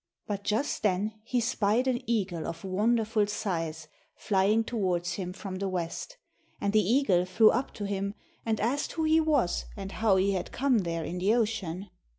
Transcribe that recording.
But just then he spied an eagle of wonderful size flying towards him from the west. And the eagle flew up to him and asked who he was and how he had come there in the ocean.